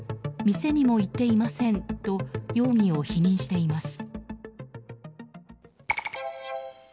店にも行っていませんと容疑を否認しています。